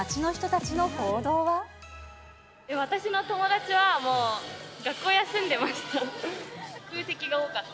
私の友達はもう、学校休んでました。